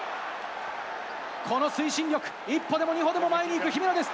この推進力、一歩でも二歩でも前に行く姫野です。